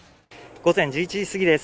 午前１１時すぎです。